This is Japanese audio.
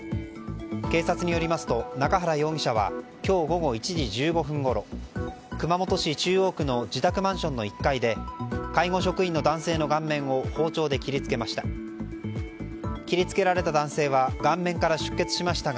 警察によりますと、中原容疑者は今日午後１時１５分ごろ熊本市中央区の自宅マンションの１階で介護職員の男性の顔面を包丁で切り付けました。